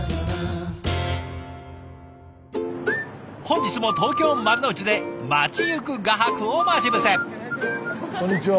本日も東京・丸の内で街行く画伯を待ち伏せ。